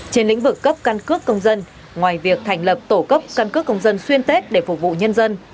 trên lĩnh vực cấp căn cước công dân ngoài việc thành lập tổ cấp căn cước công dân xuyên tết để phục vụ nhân dân